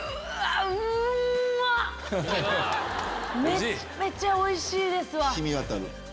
めちゃめちゃおいしいですわ！